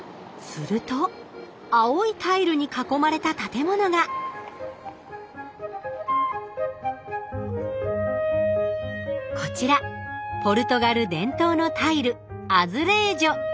すると青いタイルに囲まれた建物がこちらポルトガル伝統のタイルアズレージョ。